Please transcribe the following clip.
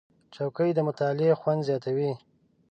چوکۍ د مطالعې خوند زیاتوي.